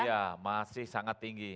iya masih sangat tinggi